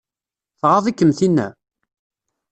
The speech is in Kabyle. Tɣaḍ-ikem tinna?